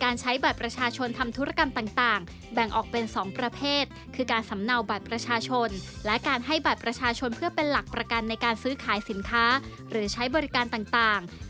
รวบรวมเรื่องนี้มาฝากคุณผู้ชมครับ